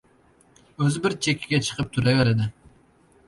o‘zi bir chekkaga chiqib turaveradi.